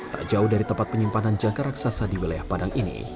tak jauh dari tempat penyimpanan jangka raksasa di wilayah padang ini